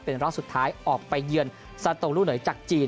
เป็นรอบสุดท้ายออกไปเยือนซาโตลูกเหนือจากจีน